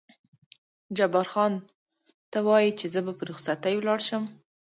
جبار خان: ته وایې چې زه په رخصتۍ ولاړ شم؟